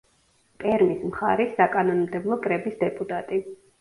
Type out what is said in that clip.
პერმის მხარის საკანონმდებლო კრების დეპუტატი.